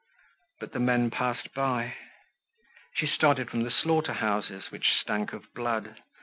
But the men passed by. She started from the slaughter houses, which stank of blood.